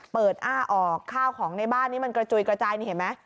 อ้าออกข้าวของในบ้านนี้มันกระจุยกระจายนี่เห็นไหม